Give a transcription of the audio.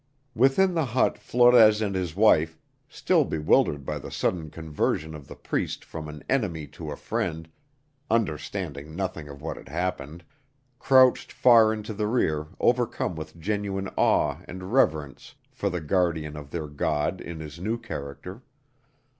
Within the hut Flores and his wife, still bewildered by the sudden conversion of the Priest from an enemy to a friend (understanding nothing of what had happened), crouched far into the rear overcome with genuine awe and reverence for the guardian of their god in his new character.